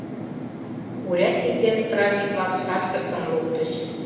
Урядник ден стражник-влак шашкыштым луктыч.